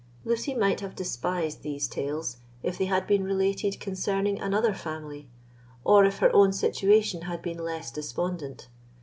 Lucy might have despised these tales if they had been related concerning another family, or if her own situation had been less despondent.